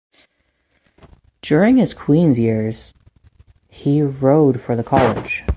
During his Queens years, he rowed for the college.